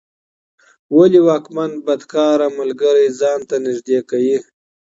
ولي واکمن بدکاره ملګري ځان ته نږدې کوي؟